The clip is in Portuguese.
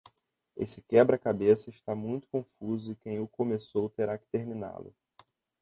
Esse quebra-cabeça está muito confuso e quem o começou terá que terminá-lo